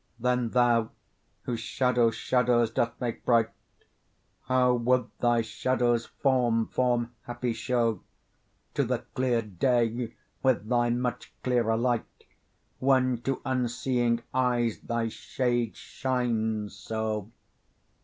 Then thou, whose shadow shadows doth make bright, How would thy shadow's form form happy show To the clear day with thy much clearer light, When to unseeing eyes thy shade shines so!